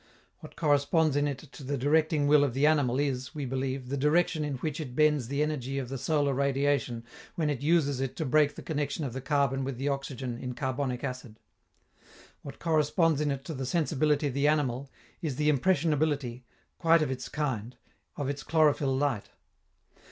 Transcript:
What corresponds in it to the directing will of the animal is, we believe, the direction in which it bends the energy of the solar radiation when it uses it to break the connection of the carbon with the oxygen in carbonic acid. What corresponds in it to the sensibility of the animal is the impressionability, quite of its kind, of its chlorophyl light.